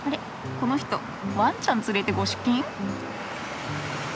この人ワンちゃん連れてご出勤？